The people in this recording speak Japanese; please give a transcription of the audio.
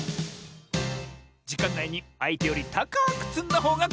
じかんないにあいてよりたかくつんだほうがかちサボよ！